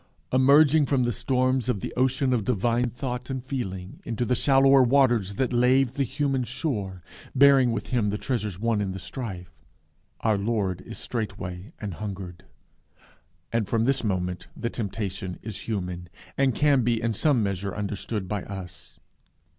Emerging from the storms of the ocean of divine thought and feeling into the shallower waters that lave the human shore, bearing with him the treasures won in the strife, our Lord is straightway an hungered; and from this moment the temptation is human, and can be in some measure understood by us.